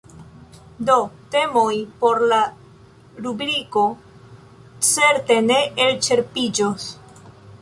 Do temoj por la rubriko certe ne elĉerpiĝos.